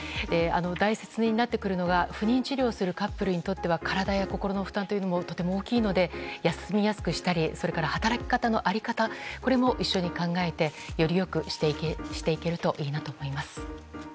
大切になってくるのが不妊治療するカップルにとっては体や心の負担というのもとても大きいので休みやすくしたりそれから働き方の在り方これも一緒に考えてより良くしていけるといいなと思います。